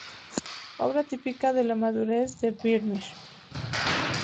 Obra típica de la madurez de Vermeer.